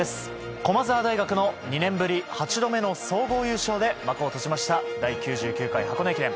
駒澤大学の２年ぶり８度目の総合優勝で幕を閉じました第９９回箱根駅伝。